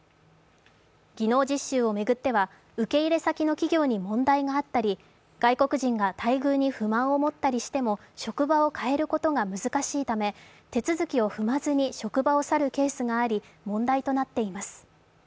技能実習を巡っては受け入れ先の企業に問題があったり外国人が待遇に不満を持ったりしても職場を変えることが難しいため手続きを踏まずに職場を去るケースがあり問題となっています。